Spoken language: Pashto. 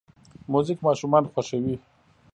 موزیک ماشومان خوښوي.